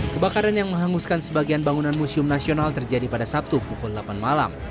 kebakaran yang menghanguskan sebagian bangunan museum nasional terjadi pada sabtu pukul delapan malam